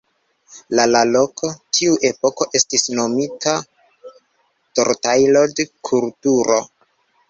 La la loko, tiu epoko estis nomita Cortaillod-kulturo.